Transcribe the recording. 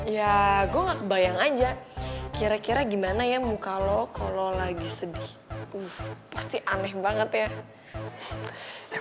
ya gue gak bayang aja kira kira gimana ya muka lo kalau lagi sedih pasti aneh banget ya